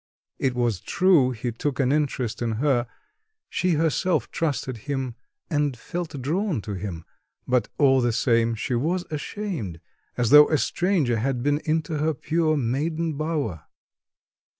It was true he took an interest in her; she herself trusted him and felt drawn to him; but all the same, she was ashamed, as though a stranger had been into her pure, maiden bower.